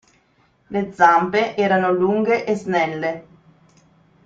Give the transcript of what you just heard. Le zampe erano lunghe e snelle.